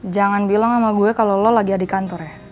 jangan bilang sama gue kalau lo lagi adik kantor ya